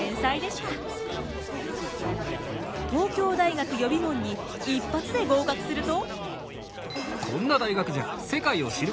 東京大学予備門に一発で合格すると。